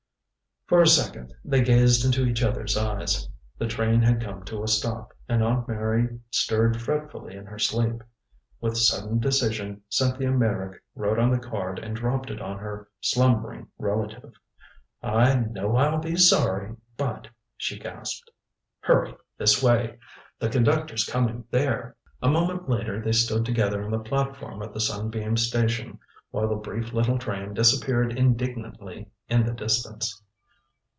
For a second they gazed into each other's eyes. The train had come to a stop, and Aunt Mary stirred fretfully in her sleep. With sudden decision Cynthia Meyrick wrote on the card and dropped it on her slumbering relative. "I know I'll be sorry but " she gasped. "Hurry! This way! The conductor's coming there!" A moment later they stood together on the platform of the Sunbeam station, while the brief little train disappeared indignantly in the distance.